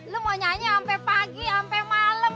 lo mau nyanyi sampai pagi sampai malam